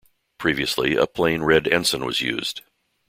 Previously a plain red ensign was used.